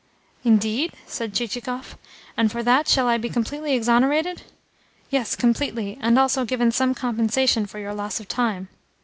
"Indeed?" said Chichikov. "And, for that, shall I be completely exonerated?" "Yes, completely, and also given some compensation for your loss of time."